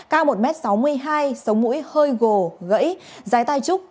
cao một m sáu mươi hai sống mũi hơi gồ gãy dài tai trúc